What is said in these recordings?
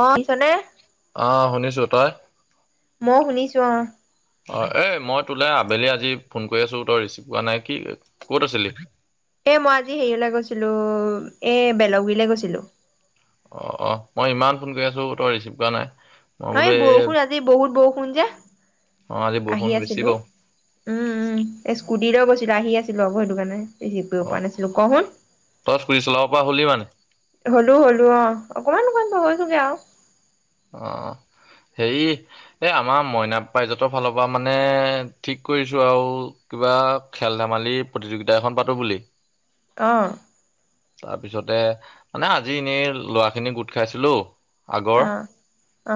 অ শুনিছনে অ শুনিছো তই মইও শুনিছো অঁ অ এই মই তোলে আবেলি আজি ফোন কৰি আছো তই ৰিচিভ কৰা নাই কি ক'ত আছিলি। এ মই আজি হেৰিলৈ গৈছিলো এ বেলগুৰিলে গৈছিলো অ অ মই ইমান ফোন কৰি আছো তই ৰিচিভ কৰা নাই মই অ বোলো এই বৰষুণ আজি বহুত বৰষুণ যে অ আজি বৰষুণ আহি বেছি আছিলো বাৰু উম উম এই স্কুটি ত বস্তু আছিল আহি আছিলো সেইটো কাৰণে প অ পোৱা নাছিলো ক শুন তই স্কুটি চলাব পৰা হ'লি মানে হলো হলো অ অকমান অকমান নৈছোগে আৰু অ হেৰি এই আমাৰ মইনা পাৰজাতৰ ফালৰ পৰা মানে ঠিক কৰিছো আৰু কিবা খেল ধেমালি প্ৰতিযোগিতা এখন পাতো বুলি অঁ তাৰ পিছতে মানে আজি এনেই লৰা খিনি গোট খাইছিলো আগৰ অ অ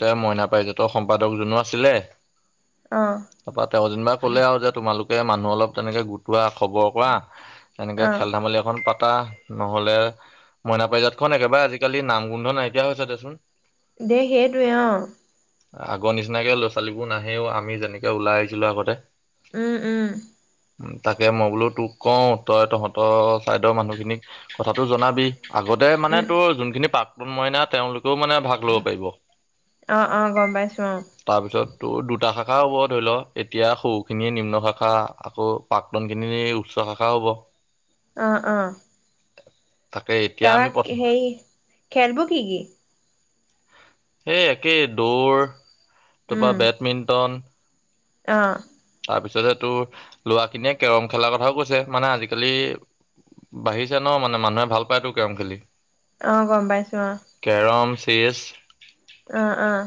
তে মইনা পাৰজাত সম্পাদক জনো আছিলে। অ ত পাতে অজন বা ক'লে আৰু যে তোমালোকে মানুহ অলপ তেনেকে গোটোৱা খবৰ কৰা এনেকে অ খেল ধেমালি এখন প আ নহলে মইনা পাৰজাত খন একেবাৰে আজিকালি নাম গোন্ধ নাইকিয়া হৈছে। চোন দে সেইটোৱে অ আগৰ নিচিনাকে ল'ৰা ছোৱালীবোৰ নাহেও, আমি যেনেকে ওলাই আহিছিলো আগতে। উম উম। তাকে মই বোলো তোক কওঁ, তই তহঁতৰ ছাইদৰ মানুহখিনিক কথাটো জনাবি। আগতে মানে উম তোৰ যোনখিনি পাক সোণ মইনা তেওঁলোক তো মানে ভাগ ল'ব পাৰিব। অ অ, গম পাইছোঁ অ। ত' দুটা শাখা হ'ব ধৰি লওক। এতিয়া সৰুখিনিয়ে নিম্ন শাখা আকৌ প্ৰাক্তন খিনিয়ে উচ্চ শাখা হ'ব। অ অ। তাকে এতিয়া তাপা আমি প্ৰথম সেই, খেলবোৰ কি কি? সেই একেই। দৌৰ, টোপা উম বেডমিন্টন, অ। তাৰপিছতে তোৰ, লৰাখিনিয়ে কেৰম খেলাৰ কথাও কৈছে। মানে আজিকালি বাঢ়িছে ন মানে মানুহে ভাল পায় ত কেৰম খেলি। অ, গম পাইছোঁ, অ। তেজ আহ আহ।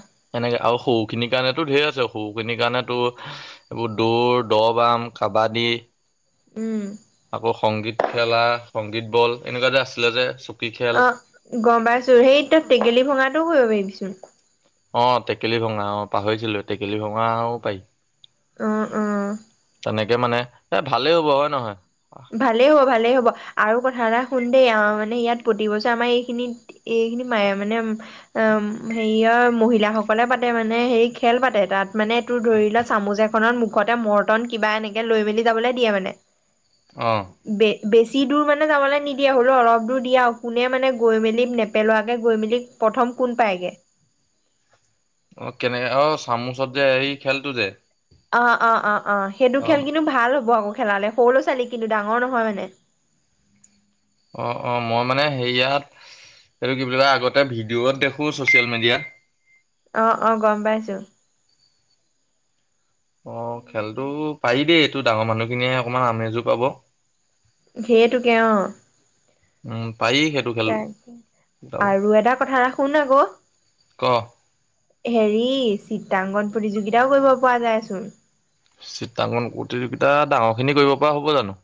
সৰু খিনিৰ কাৰণেতো ঢেৰ আছে, সৰুখিনিৰ কাৰণে তো এইবোৰ দৌৰ, দহ-বাম, কাবাডী, উম। আকৌ সংগীত খেলা সংগীত বল এনেকুৱা যে আছিলে যে, চ অ, গম পাইছোঁ। সেইটো টেঙেলী ভঙাটো কৰিব পাৰিবিচোন। অ, টেকেলি ভঙা অ, পাহৰিছিলোয়ে। টেকেলি ভঙাও পাৰি। অ অ। তেনেকে মানে, এ ভালেই হ'ব, হয় নহয়? ভালেই হ'ব ভালেই হ'ব, আৰু কথা এটা হুন দেই অ, মানে ইয়াত প্ৰতি বছৰে আমাৰ এইখিনি এইখিনি ম মানে হেৰিয়ৰ মহিলাাসকলে পাতে মানে, হেৰি খেল পাতে তাত মানে তোৰ ধৰি লোৱা চামুচ এখনত মুখতে মৰ্তন কিবা এনেকে লৈ মেলি যাবলৈ দিয়ে মানে। অ। বে বেছি দূৰ মানে যাবলে নিদিয়ে। হ'লো অলপ দূৰ দিয়ে আও কোনে মানে গৈ মেলি, নেপেলোৱাকে গৈ মেলি প্ৰথম কোন পায়গে। অ কেনেকে, অ চামুচত যে এই খেলটো যে। অ অ অ। অ, সেইটো অ খেল কিন্তু ভাল হ'ব আকৌ। খেলালে, সৰু ল'ৰা ছোৱালী কিন্তু, ডাঙৰ নহয় মানে। অ অ। মই মানে হেৰিয়াত, এইটো কি বুলি কয়, আগতে ভিডিঅ'ত দেখো ছচিয়েল মিডিয়াত। অ অ, গম পাইছোঁ। অ খেলতো, পাৰি দেই। এইটো ডাঙৰ মানুহখিনিয়ে অকমান আমেজো পাব। হেইটোকে অ, উম পাৰি সেইটো খেল তাকে, যাব আৰু এটা কথা ৰা- শুন আক। ক হেৰি চিত্ৰাংকণ প্ৰতিযোগিতাও কৰিব পৰা যায়চোন। চিত্ৰাংকন প্ৰতিযোগিতা ডাঙৰ খিনি কৰিব পৰা হ'ব জানো?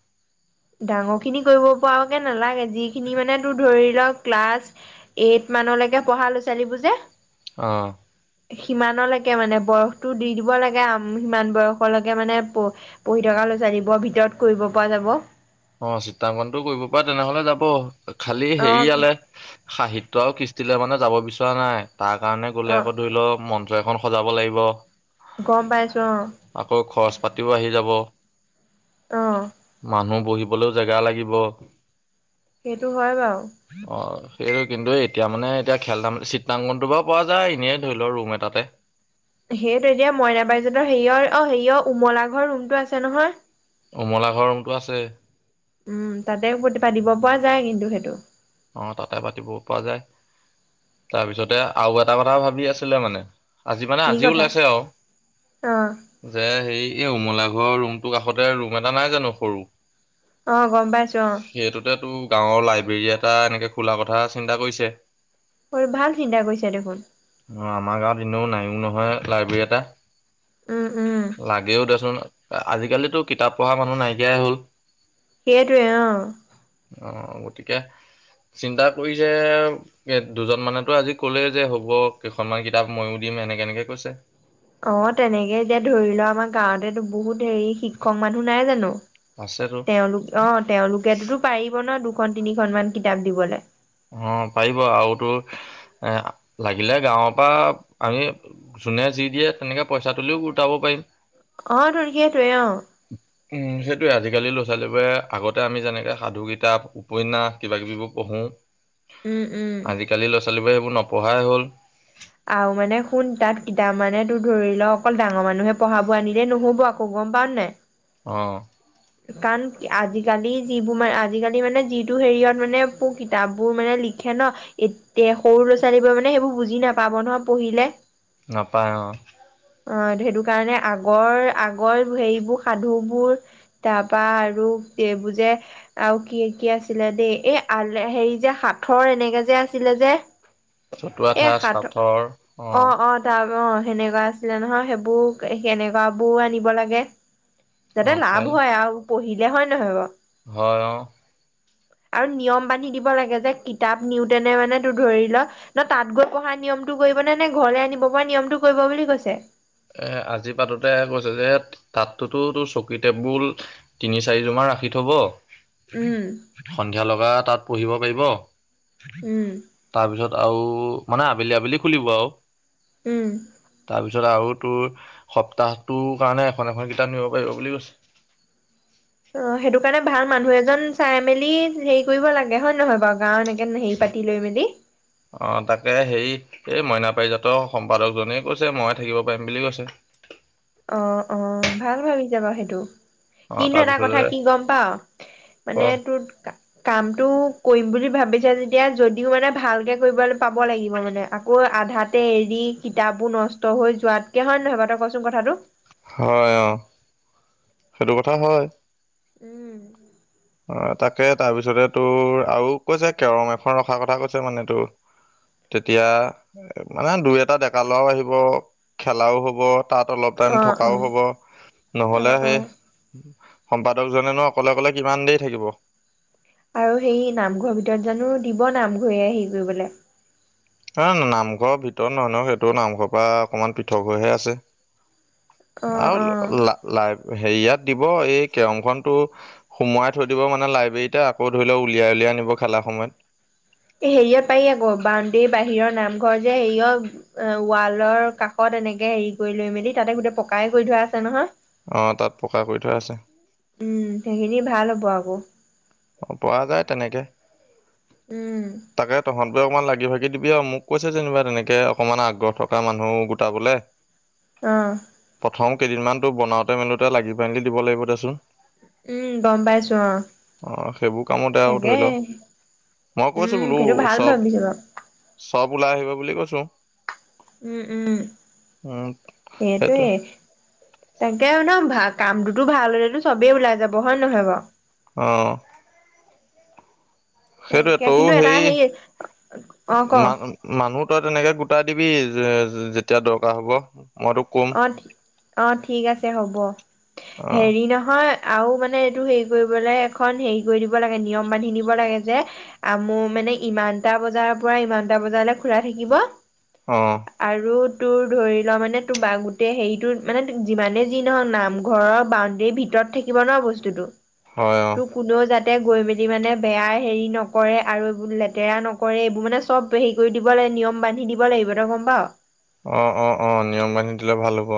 ডাঙৰ খিনি কৰিব পৰাকে নালাগে যিখিনি মানে তোৰ ধৰি ক্লাছ এইট মানলৈকে পঢ়া লৰা - ছোৱালীবোৰ যে অহ সিমানলৈকে মানে বয়সটো দি দিব লাগে আম সিমান বয়সলৈকে মানে প -পঢ়ি থকা লৰা- ছোৱালীবোৰৰ ভিতৰত কৰিব পৰা যাব। অহ, চিত্ৰাংকনটো কৰিব পায় তেনেহলে যাব। খালি অ হেৰিয়ালে সাহিত্য আৰু কৃষ্ঠিলে মানে যাব বিচৰা নাই। তাৰ কাৰণে গ'লে অ আকৌ ধৰি ল'মন এখন সজাব লাগিব। গম পাইছো অ আকৌ খৰচ- পাতিও আহি যাব। অহ বলেও জেগা লাগিব। সেইটো হয় বাৰু। সেই কিন্তু এতিয়া মানে এতিয়া খেল ধাম চিতাংকনটো বাৰু পোৱা যায় এনেইে ধৰি লও ৰুম এটাতে। সেইটো এতিয়া মইনা বাইদেওহতৰ হেৰিয়ৰ অ' হেৰিয়ৰ উমলা ঘৰ ৰুমটো আছে নহয়। উমলা ঘৰ ৰুমটো আছে উম, তাতে পাতিব পৰা যায় কিন্তু সেইটো। অ, তাতে পাতিব পৰা যায় তাৰপিছতে আৰু এটা কথা ভাবি আছিলে মানে আজি মানে কি আজিও কথা। ওলাইছে আও অ', যে, হেই এই উমলা ঘৰৰ ৰুমটো কাষতে ৰুম এটা নাই জানো সৰু? অ' গম পাইছো অ' সেইটোতে তো গাঁৱৰ লাইব্ৰেৰীয়াত টা এনেকে খোলা কথা চিন্তা কৰিছে। হয়, ভাল চিন্তা কৰিছে দেখোন। অ আমাৰ গাঁৱত এনেও নাইও নহয় লাইব্ৰেৰী এটা উম, উম। লাগেও দেচোন। আজিকালিতো কিতাপ- পঢ়া মানুহ নাইকিয়াই হল। সেইটোৱে অহ। অহ, গতিকে চিন্তা কৰিছে এ' দুজন মানেতো আজি কলে যে হ'ব কেইখনমান কিতাপ মইয়ো দিম এনেকে -এনেকে কৈছে। অহ, তেনেকে এতিয়া ধৰি ল ' আমাৰ গাঁৱতেতো বহুত হেৰি শিক্ষক মানুহ নাই জানো। আছেতো তেওঁলোক অ' তেওঁলোকেতোতো পাৰিব ন' দুখ দুখন, তিনিখন মান কিতাপ দিবলে। অহ, পাৰিব আৰুতো এ' লাগিলে গাঁৱৰ পৰা আমি যোনে যি দিয়ে তেনেকে পইচা তুলিও গোটাব পাৰিম। অ' তোৰ সেইটোৱে অহ। উম, সেইটোৱে আজিকালি ল'ৰা- ছোৱালীবোৰে আগতে আমি যেনেকে সাধু কিতাপ উপন্যাস কিবা -কিবি বোৰ পঢ়োঁ উম, উম। আজি কালি ল'ৰা - ছোৱালীবোৰে কোনো নপঢ়াই হ'ল আৰু মানে শুন তাত কিতাপ মানে তোৰ ধৰি ল অকল ডাঙৰ মানুহে পঢ়াবোৰ আনিলেই নহব আকৌ গম পাও ন নাই অঁ কাৰণ আজিকালি যিবোৰ মান আজিকালি মানে যিটো হেৰিয়ত মানে কিতাপবোৰ মানে লিখে ন এ সৰু ল'ৰা ছোৱালীবোৰে মানে সেইবোৰ বুজি নাপাব নহয় পঢ়িলে [unintelligible] নাপায় অ অ সেইটো কাৰণে আগৰ আগৰ হেইবোৰ সাধুবোৰ তাৰপা আৰু এইবোৰ যে আৰু কি কি আছিলে দেই এই আল হেৰি যে সাথৰ এনেকে যে আছিলে যে [unintelligible] [unintelligible] চতুৱা এই ঠাঁ সাঁথৰ চথৰ অ অ', [unintelligible] তাৰ অ সেনেকুৱা আছিলে নহয় সেইবোৰ কেনেকুৱাবোৰ আনিব লাগে অ যাতে লাভ পায় হয় পঢ়িলে হয় নহয় বাৰু হয় অ আৰু নিয়ম বান্ধি দিব লাগে যে কিতাপ নিওতেনে মানে তোৰ ধৰি ল ন তাত গৈ পঢ়া নিয়মটো কৰিব নে নে ঘৰলে আনিব পৰা নিয়মটো কৰিব বুলি কৈছে [unintelligible] এ আজি পাতোতে কৈছে যে তাতটো তোৰ চকী টেবুল তিনি চাৰিযোমান ৰাখি থব উম, সন্ধিয়া লগা তাত পঢ়িব পাৰিব উম, তাৰপিছত আৰু মানে আবেলি আবেলি খুলিব আৰু উম। তাৰপিছত আৰু ত সপ্তাহটোৰ কাৰণে এখন এখন কিতাপ নিব পাৰিব বুলি কৈছে অ সেইটো কাৰণে ভাল মানুহ এজন চাই মেলি হেৰি কৰিব লাগে হয় নহয় বাৰু গাও এনেকে হেৰি পাতি লৈ মেলি। অ তাকে হেৰিত এই মইনা পাৰিজাত সম্পাদকজনে কৈছে মই থাকিব পাৰিম বুলি কৈছে [unintelligible] অ অ ভাল ভাবি যাবা সেইটো অ কিন্তু এটা তাৰপিছতে কথা কি গম পাও অ মানে তোৰ কামটো কৰিম বুলি ভাবিছা যেতিয়া যদিও মানে ভালকে কৰিব পাব লাগিব মানে আকৌ আধাতে এৰি কিতাপো নষ্ট হৈ যোৱাতকে হয় নহয়ব তই কচোন কথাটো [unintelligible] হয় অ সেইটো কথা হয় উম অ তাকে তাৰপিছতে তোৰ আৰু কৈছে কেৰম এখন ৰখাৰ কথা কৈছে মানে তোৰ তেতিয়া মানে দুই এটা ডেকা লৰাও আহিব খেলাও হব [unintelligible] তাত অলপ টাইম অ অ থকাও হ'ব অ নহলে অ সেই সম্পাদকজনে ন অকলে অকলে কিমান দেৰি থাকিব আৰু সেই নামঘৰৰ ভিতৰত জানো দিব নামঘৰে হেৰি কৰিবলে এ নামঘৰৰ ভিতৰত নহয় ন সেইটো নামঘৰ পৰা অকমান পৃথক হৈহে আছে অ অ আৰু ল [unintelligible] হেৰিয়াত দিব এই কেৰং খনতটো সোমোৱাই থৈ দিব মানে লাইব্ৰেৰীতে আকৌ ধৰি লওক উলিয়াই উলিয়াই আনিব খেলা সময়ত [unintelligible] হেৰিয়ত পাৰি আকৌ বাউণ্ডেৰীৰ বাহিৰৰ নামঘৰ যে হেৰিয়ত ৱালৰ কাষত এনেকে হেৰি কৰি লৈ মেলি তাতে গোটেই পকাইে কৰি থোৱা আছে নহয় অঁ তাত পকা কৰি থোৱা আছে [unintelligible] উম সেইখিনি ভাল হ'ব আকৌ অ পোৱা যায় তেনেকে। উম। তই অকমান লাগি ভাগি দিবি আৰু মোক কৈছে যেনিবা তেনেকে অকমান আগ্ৰহ থকা মানুহ গোটাবলে অৱ। প্ৰথম কেইদিনমানতো বনাওঁতে মেলোতে লাগি পাইলি দিব লাগিব দেচোন। উম গম পাইছো অৱ। অ সেইবোৰ কামতে আৰু ধৰি লও, মই উম কৈছো বোলো সেইটো ভাল চব, ভাবিছো বাৰু চব ওলাই আহিব বুলি কৈছোঁ। ছো। উম উম, উম সেইটোৱে। তাকে আৰু ন ভা কামটোতো ভাল হলেতো চবেই ওলাই যাব হয় নে নহয় বাওঁ। অৱ। তাকে কিন্তু এটা সেই অ ক? মান মানুহ তই তেনেকে গোটাই দিবি যেতিয়া দৰকাৰ হ'ব। মই তুক কম। অৱ ঠিক আছে হ'ব। অ হেৰি নহয় আৰু মানে এইটো হেৰি কৰিবলৈ এখন হেৰি কৰি দিব লাগে নিয়ম বান্ধি দিব লাগে যে, আম মানে ইমানটা বজাৰ পৰা ইমানটা বজালৈ খোলা থাকিব। অ আৰু তোৰ ধৰি লোৱা মানে বা গোটেই হেৰিটো মানে যিমানে যি নহওক নামঘৰৰ বাউণ্ডেৰীৰ ভিতৰত থাকিব ন বস্তুটো। হয় অ তোৰ কোনেও জান তাতে গৈ মেলি মানে বেয়া হেৰি নকৰে আৰু এইবোৰ লেতেৰা নকৰে এইবোৰ মানে চব হেৰি কৰি দিব লাগে নিয়ম বান্ধি দিব লাগিব তই গম পাওঁ। অৱ অৱ অৱ নিয়ম বান্ধি দিলে ভাল হ'ব।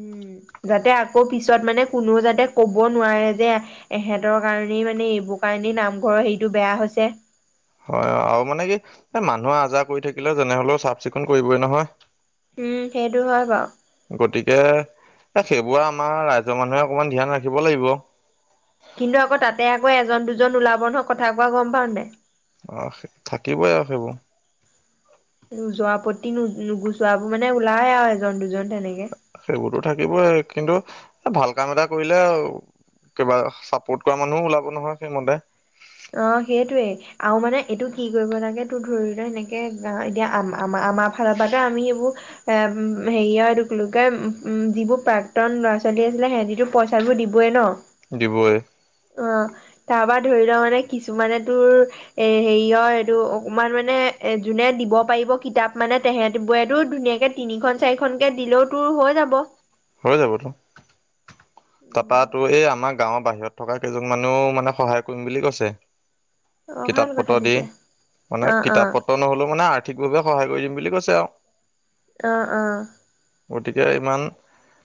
উম যাতে আকৌ পিছত মানে কোনো যাতে কব নোৱাৰে যে এহঁতৰ কাৰণেই মানে এইবোৰ কাৰণেই নামঘৰৰ হেৰিটো বেয়া হৈছে। হয় আৰু মানে কি এই মানুহে আজাৰ কৰি থাকিলে যেনেহলেও চাফ চিকুণ কৰিবই নহয়। উম সেইটো হয় বাওঁ। গতিকে এ সেইবোৰে আমাৰ ৰাইজৰ মানুহে অকমান ধ্যান ৰাখিব লাগিব। কিন্তু আকৌ তাতে আকৌ এজন দুজন ওলাব নহয় কথা কোৱা গম পাও নাই। অ থাকিবই আৰু সেইবোৰ। নো যোৱা প্ৰতি ন নুগুচোৱাবোৰ মানে ওলাই আৰু এজন দুজন তেনেকে সেইবোৰতো থাকিবই কিন্তু ভাল কাম এটা কৰিলে কিবা চাপৰ্ট কৰা মানুহো ওলাব নহয়, সেইমতে অ সেইটোৱেই আৰু মানে এইটো কি কৰিব লাগে তোৰ ধৰি ল সেনেকে এতিয়া আম আমাৰ ফালৰ পৰা আমি সেইবোৰ এ হেৰি হয় লোকে উন যিবোৰ প্ৰাক্তন ল'ৰা ছোৱালী আছিলে সিহঁতি পইচাবোৰ দিবই ন। অৱ। দিবই তাৰপৰা পৰা ধৰি লও মানে কিছুমানে তোৰ এ হেৰিয়ৰ এইটো অকমান মানে এ যোনে দিব পাৰিব কিতাপ মানে তেহেত বোৰেতো ধুনীয়াকে তিনিখন চাৰিখনকে দিলেও তোৰ হৈ যাব। হৈ যাবতো। তপাতো এই আমাক গাঁৱৰ বাহিৰত থকা কেইজন মানেও মানে সহায় কৰিম বুলি কৈছে। অ ভাল কিতাপ কথা পত্ৰ দি। তেতিয়া মানে অ অ কিতাপ পত্ৰ নহ'লেও মানে আৰ্থিকভাৱে সহায় কৰি দিম বুলি কৈছে। াতা [unintelligible] আহ অঁ। গতিকে ইমান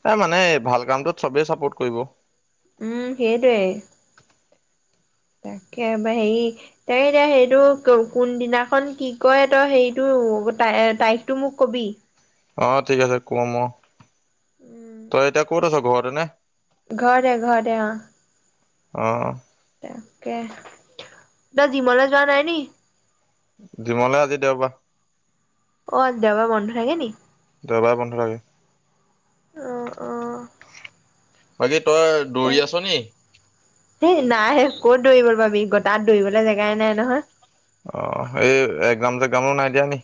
এ মানে ভাল কামটোত চবেই চাপোৰ্ট কৰিব। উম সেইটোৱে। তাকে বা হেৰি তাকে এতিয়া সেইটো কোনদিনাখন কি কয় তই সেইটো ত তাৰিখটো মোক কবি। অ ঠিক আছে কম অ। উম তই এতিয়া ক'ত আছ? ঘৰতে নে? ঘৰতে ঘৰতে অ। অহ। তাকে তই জিমলৈ যোৱা নাই নি? জিমলে আজি দেওবা। অ দেও বাৰ বন্ধ থাকে নি? দেও বাৰ বন্ধ অ', অ', থাকে। [unintelligible] দৌৰি আছ নি সেই নাই ক'ত দৌৰি আৰু। পাবি গ তাত দৌৰিবলে জেগাই নাই নহয়। অ এই এক নাম ত [unintelligible] নাই দিয়া নি?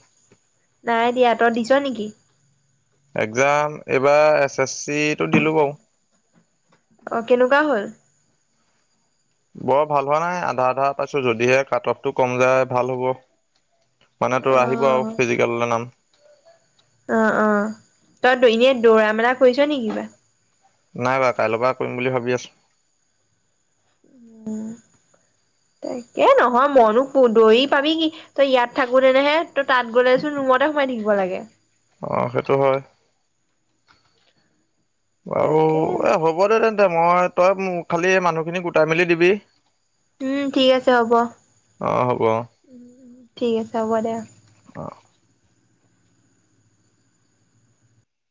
নাই দিয়া তই দিচ নেকি? এক্জাম এইবাৰ এছ এছ চিটো দিলো বাৰু। অ কেনেকুৱা হ'ল? বৰ ভাল হোৱা নাই আধা আধা পাইছো যদিহে কাট অফ টো কম যায় ভাল হ'ব। মানে তো আহিব আৰু অ', ফিজিকেললে নাম। অ অ তই এনেই দৌৰা মেলা কৰিছ নি কিবা? নাই বা কাইল পা কৰিম বুলি ভাবি আছো। উ তাকে নহয় মনো দৌৰি পাবি কি? তই ইয়াত থাকো তেনহে তই তাত গ'লেচোন ৰুমতে সোমাই থাকিব লাগে। আহ সেইটো হয়। অ তাকে এ হ'ব দে তেন্তে। মই তই খালি মানুহখিনি গোটাই মেলি দিবি। উম ঠিক আছে হ'ব উ অ', হ'ব অ'। ঠিক আছে হ'ব দে।